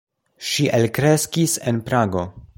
Ŝi elkreskis en Prago.